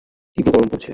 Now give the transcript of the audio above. তীব্র গরম পড়ছে।